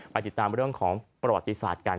ไปติดตามเรื่องของประวัติศาสตร์กัน